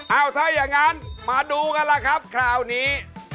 ถ้าอย่างนั้นมาดูกันล่ะครับคราวนี้